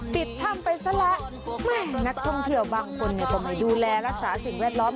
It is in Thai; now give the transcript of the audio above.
ปิดถ้ำไปซะแล้วแม่นักท่องเที่ยวบางคนก็ไม่ดูแลรักษาสิ่งแวดล้อม